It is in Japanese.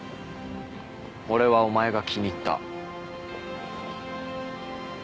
俺はお前が気に入った。